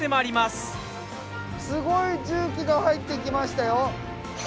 すごい重機が入ってきましたよ！